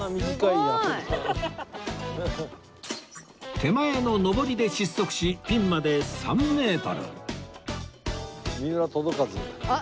手前の上りで失速しピンまで３メートルあっ！